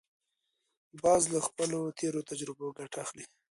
باز له خپلو تېرو تجربو ګټه اخلي